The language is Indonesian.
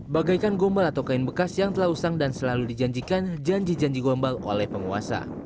bagaikan gombal atau kain bekas yang telah usang dan selalu dijanjikan janji janji gombal oleh penguasa